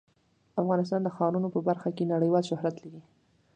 افغانستان د ښارونه په برخه کې نړیوال شهرت لري.